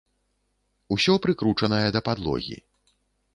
Усё прыкручанае да падлогі.